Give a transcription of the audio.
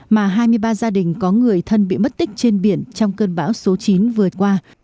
mà hai mươi ba gia đình có người thân bị mất tích trên biển trong cơn bão số chín vừa qua